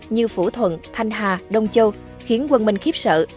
như phủ thuận thanh hà đông châu khiến quân minh khiếp sợ